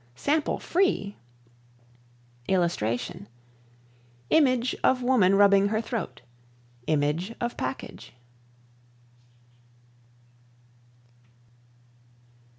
Sample FREE [Illustration: Image of woman rubbing her throat. Image of package.